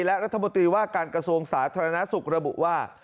และรัฐมนตรีว่าการกระทรวงสาธารณสุขระบุว่า